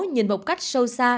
nhìn một cách sâu xa